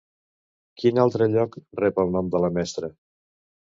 Quin altre lloc rep nom de la mestra?